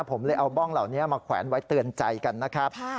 ผมเลยเอาบ้องเหล่านี้มาแขวนไว้เตือนใจกันนะครับ